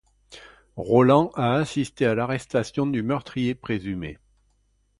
Roland a assisté à l'arrestation du meurtrier présumé.